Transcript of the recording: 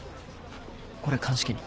これ鑑識に。